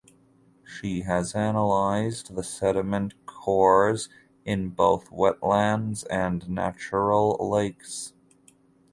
She has analysed the sediment cores in both wetlands and natural lakes.